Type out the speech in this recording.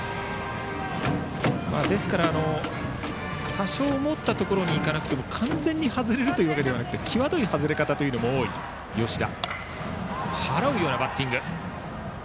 多少、思ったところにいかなくても完全に外れるというわけではなくて際どい外れ方というのも多い吉田。